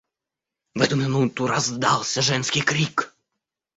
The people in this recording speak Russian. В эту минуту раздался женский крик.